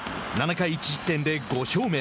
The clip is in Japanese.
７回１失点で５勝目。